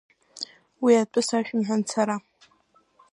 Уи атәы сашәымҳәан сара…